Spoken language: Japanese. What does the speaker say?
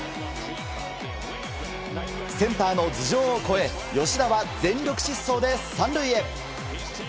センターの頭上を越え吉田は全力疾走で３塁へ。